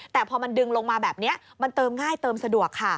แต่พอมันดึงลงมาแบบนี้มันเติมง่ายเติมสะดวกค่ะ